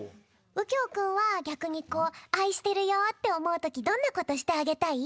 うきょうくんはぎゃくにこうあいしてるよっておもうときどんなことしてあげたい？